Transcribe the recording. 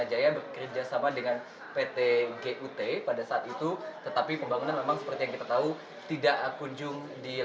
tetapi saya mendapatkan informasi dari bumd pd pembangunan asar raja berkerjasama dengan pt gut pada saat itu tetapi pembangunan memang seperti yang kita tahu tidak kunjung dilakukan